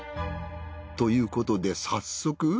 ということで早速。